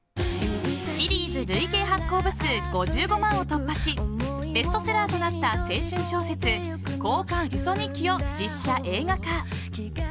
シリーズ累計発行部数５５万を突破しベストセラーとなった青春小説「交換ウソ日記」を実写映画化。